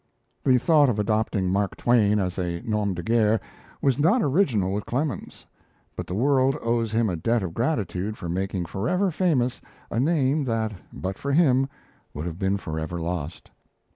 The thought of adopting Mark Twain as a nom de guerre was not original with Clemens; but the world owes him a debt of gratitude for making forever famous a name that, but for him, would have been forever lost.